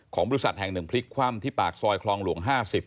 บริษัทแห่งหนึ่งพลิกคว่ำที่ปากซอยคลองหลวง๕๐